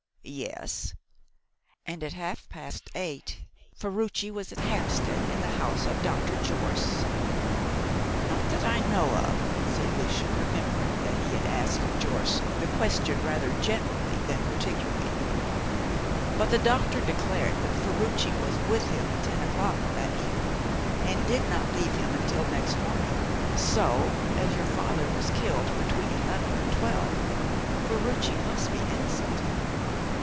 "Yes!" "And at half past eight Ferruci was at Hampstead in the house of Dr. Jorce?" "Not that I know of," said Lucian, remembering that he had asked Jorce the question rather generally than particularly, "but the doctor declared that Ferruci was with him at ten o'clock on that evening, and did not leave him until next morning; so as your father was killed between eleven and twelve, Ferruci must be innocent."